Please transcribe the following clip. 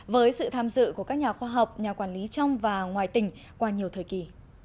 với sự tham dự của các nhà khoa học nhà quản lý trong và ngoài tỉnh qua nhiều thời kỳ